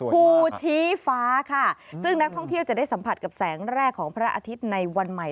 ภูชี้ฟ้าค่ะซึ่งนักท่องเที่ยวจะได้สัมผัสกับแสงแรกของพระอาทิตย์ในวันใหม่